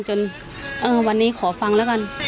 จนวันนี้ขอฟังแล้วกัน